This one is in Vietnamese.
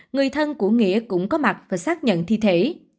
người thân của nghĩa cũng có mặt và xác nhận thi thể